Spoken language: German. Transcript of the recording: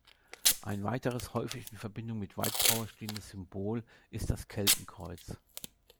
Ein weiteres häufig in Verbindung mit White Power stehendes Symbol ist das Keltenkreuz.